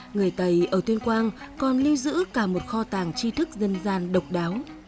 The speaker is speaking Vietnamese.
người tây ở tuyên quang còn lưu giữ cả một kho tàng tri thức dân gian độc đáo